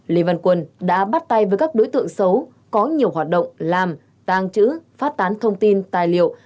lê văn quân đã bắt tay với các đối tượng xấu có nhiều hoạt động làm tàng trữ phát tán thông tin tài liệu